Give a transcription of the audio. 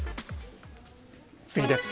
次です。